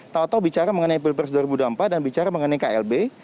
tau tau bicara mengenai pilpres dua ribu dua puluh empat dan bicara mengenai klb